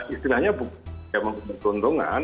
istilahnya bukan keuntungan